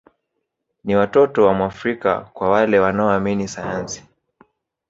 Ni watoto wa Mwafrika kwa wale wanaoamini sayansi